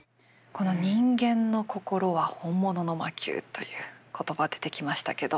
この「人間の心は本物の魔宮」という言葉が出てきましたけども。